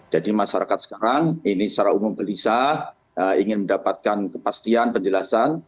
jadi masyarakat sekarang ini secara umum belisah ingin mendapatkan kepastian penjelasan